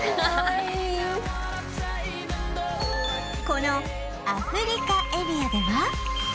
このアフリカエリアでは